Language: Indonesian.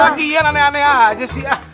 pagian aneh aneh aja sih